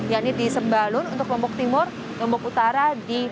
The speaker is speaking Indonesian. yaitu di sembalun untuk lombok timur lombok utara